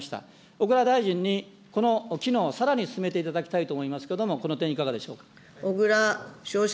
小倉大臣にこの機能をさらに進めていただきたいと思いますけれども、この点、いかがでしょうか。